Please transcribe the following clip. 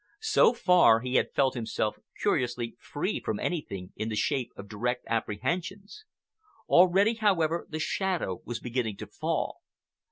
So far he had felt himself curiously free from anything in the shape of direct apprehensions. Already, however, the shadow was beginning to fall.